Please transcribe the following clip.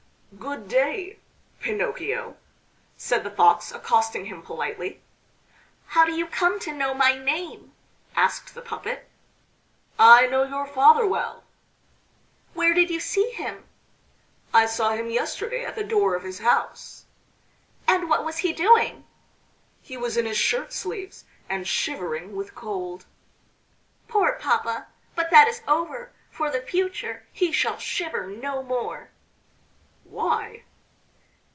"Good day, Pinocchio," said the Fox, accosting him politely. "How do you come to know my name?" asked the puppet. "I know your father well." "Where did you see him?" "I saw him yesterday at the door of his house." "And what was he doing?" "He was in his shirt sleeves and shivering with cold." "Poor papa! But that is over; for the future he shall shiver no more." "Why?"